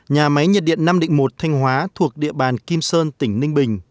nhà máy nhiệt điện năm định một thanh hóa thuộc địa bàn kim sơn tỉnh ninh bình